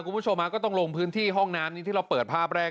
คุณผู้ชมก็ต้องลงพื้นที่ห้องน้ำนี้ที่เราเปิดภาพแรก